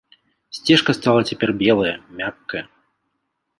Сцежка стала цяпер белая, мяккая.